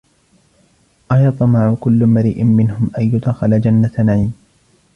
أَيَطْمَعُ كُلُّ امْرِئٍ مِنْهُمْ أَنْ يُدْخَلَ جَنَّةَ نَعِيمٍ